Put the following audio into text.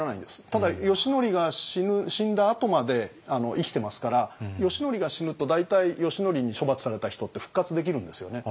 ただ義教が死んだあとまで生きてますから義教が死ぬと大体義教に処罰された人って復活できるんですよね。